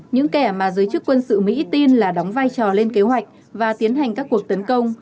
những kẻ mà giới chức quân sự mỹ tin là đóng vai trò lên kế hoạch và tiến hành các cuộc tấn công